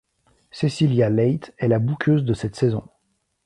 Cécilia Leite est la bookeuse de cette saison.